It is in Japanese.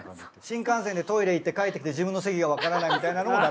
新幹線でトイレ行って帰ってきて自分の席が分からないみたいなのもダメ？